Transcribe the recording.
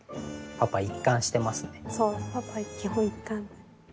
パパ基本一貫。